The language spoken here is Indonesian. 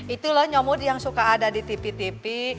itu loh nyomut yang suka ada di tipi tipi